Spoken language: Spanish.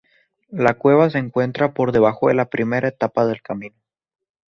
Esta cueva se encuentra por debajo de la primera etapa del camino.